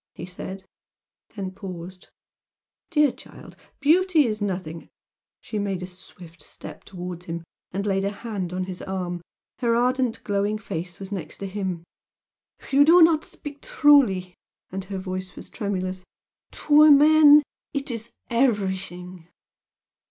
he said, then paused "Dear child, beauty is nothing " She made a swift step towards him and laid a hand on his arm. Her ardent, glowing face was next to his. "You speak not truly!" and her voice was tremulous "To a man it is everything!"